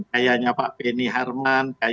kayanya pak benny harman